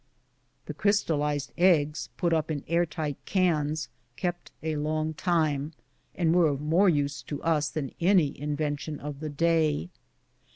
The crystallized eggs, put up in cans and being air tight, kept a long time, and were of more use to us than any invention of the day.